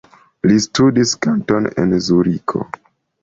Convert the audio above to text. Li studis kanton en Zuriko.